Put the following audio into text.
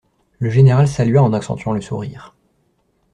Le général salua en accentuant le sourire.